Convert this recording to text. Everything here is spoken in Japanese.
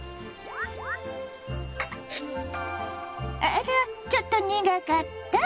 あらっちょっと苦かった？